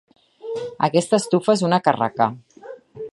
Aquesta estufa és una carraca.